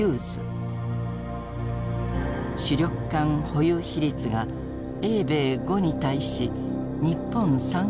主力艦保有比率が英米５に対し日本３が定められた。